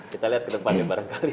kita lihat ke depannya bareng kali